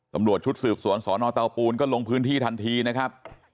ตำรวจชุดสืบสวนสนเตาปูนก็ลงพื้นที่ทันทีนะครับ